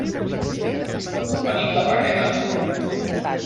Venim de Requena.